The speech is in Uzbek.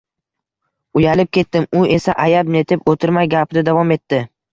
Uyalib ketdim. U esa ayab-netib o‘tirmay, gapida davom etdi.